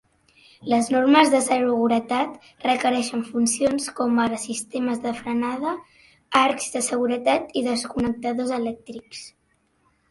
Les normes de seguretat requereixen funcions com ara sistemes de frenada, arcs de seguretat i desconnectadors elèctrics.